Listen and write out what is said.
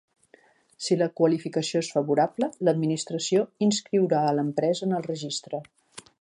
Si la qualificació és favorable, l'Administració inscriurà l'empresa en el Registre.